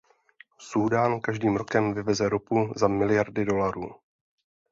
Súdán každým rokem vyveze ropu za miliardy dolarů.